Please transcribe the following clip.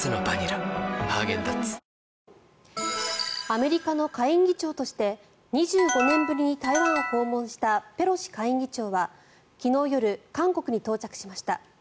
アメリカの下院議長として２５年ぶりに台湾を訪問したペロシ下院議長は昨日夜、韓国に到着しました。